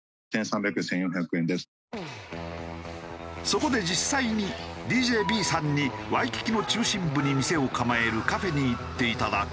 そこで実際にＤＪＢｅｅさんにワイキキの中心部に店を構えるカフェに行っていただくと。